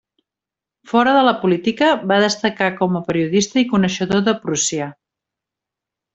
Fora de la política, va destacar com a periodista i coneixedor de Prússia.